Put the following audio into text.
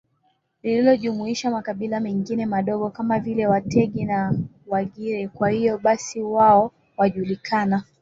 lililojumuisha makabila mengine madogo kama vile Wategi na WagireKwa hiyo basi wao hujulikana